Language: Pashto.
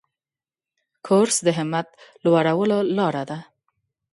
کورس د همت لوړولو لاره ده.